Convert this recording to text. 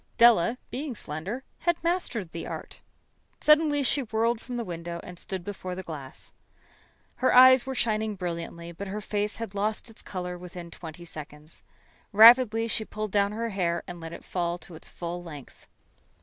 Della, being slender, had mastered the art. Suddenly she whirled from the window and stood before the glass. Her eyes were shining brilliantly, but her face had lost its color within twenty seconds. Rapidly she pulled down her hair and let it fall to its full length.